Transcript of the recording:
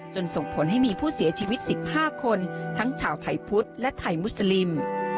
ส่งผลให้มีผู้เสียชีวิต๑๕คนทั้งชาวไทยพุทธและไทยมุสลิม